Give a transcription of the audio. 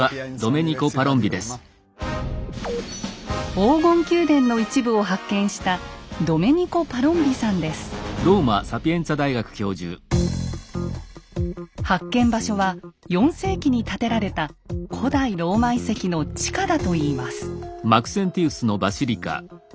黄金宮殿の一部を発見した発見場所は４世紀に建てられた古代ローマ遺跡の地下だといいます。